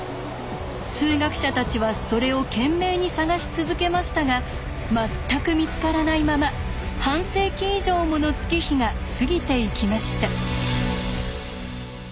数学者たちはそれを懸命に探し続けましたが全く見つからないまま半世紀以上もの月日が過ぎていきました。